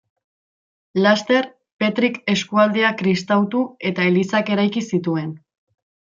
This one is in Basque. Laster Petrik eskualdea kristautu eta elizak eraiki zituen.